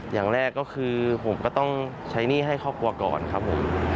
อย่างแรกก็คือผมก็ต้องใช้หนี้ให้ครอบครัวก่อนครับผม